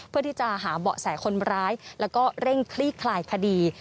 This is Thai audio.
เพื่อที่จะหาเบาะแสคนร้ายแล้วก็เร่งคลี่คลายคดี